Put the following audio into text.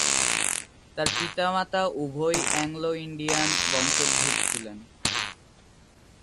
তাঁর পিতা-মাতা উভয়ই অ্যাংলো-ইন্ডিয়ান বংশোদ্ভূত ছিলেন।